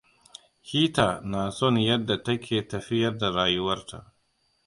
Heather na son yadda ta ke tafiyar da rayuwarta.